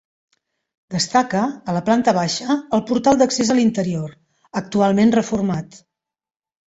Destaca, a la planta baixa, el portal d'accés a l'interior, actualment reformat.